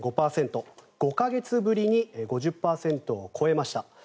５か月ぶりに５０％を超えました。